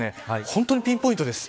本当にピンポイントです。